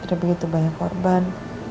tidak begitu banyak korban